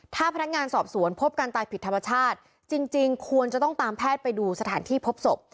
ถ้าพนักงานสอบสวนพบการตายผิดธรรมชาติจริงควรจะต้องตามแพทย์ไปดูสถานที่พบศพ